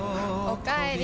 おかえり。